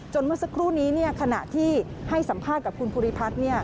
เมื่อสักครู่นี้ขณะที่ให้สัมภาษณ์กับคุณภูริพัฒน์